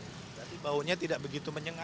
jadi baunya tidak begitu menyengat ya